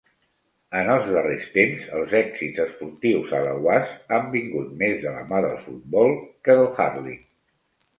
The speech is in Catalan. En els darrers temps, els èxits esportius a Laois han vingut més de la mà del futbol que del "hurling".